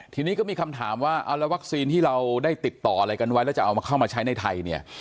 ทีนี้ก็มีคำถามว่าเอาแล้ววัคซีนที่เราได้ติดต่ออะไรกันไว้แล้วจะเอาเข้ามาใช้ในไทยเนี่ย